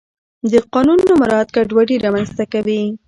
د قانون نه مراعت ګډوډي رامنځته کوي